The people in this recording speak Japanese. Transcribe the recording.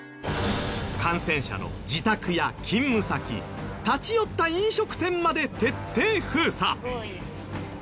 感染者の自宅や勤務先立ち寄った飲食店まで徹底封鎖！